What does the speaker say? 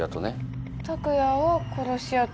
拓哉は殺し屋と。